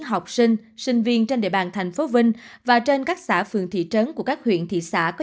học sinh sinh viên trên địa bàn tp vinh và trên các xã phường thị trấn của các huyện thị xã có